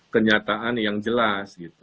kenyataan yang jelas